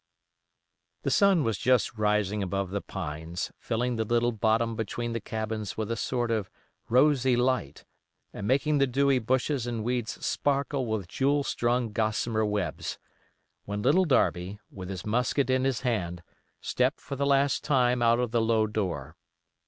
The sun was just rising above the pines, filling the little bottom between the cabins with a sort of rosy light, and making the dewy bushes and weeds sparkle with jewel strung gossamer webs, when Little Darby, with his musket in his hand, stepped for the last time out of the low door.